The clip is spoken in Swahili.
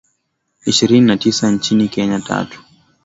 ishirini na tisa nchini Kenya tatu